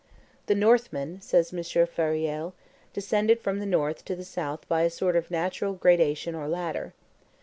"The Northmen," says M. Fauriel, "descended from the north to the south by a sort of natural gradation or ladder.